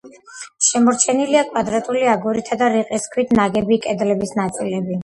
შემორჩენილია კვადრატული აგურითა და რიყის ქვით ნაგები კედლების ნაწილები.